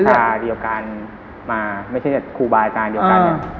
ที่ทำงานใฟตาทางเดียวกัน